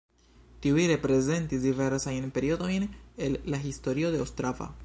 Tiuj prezentis diversajn periodojn el la historio de Ostrava.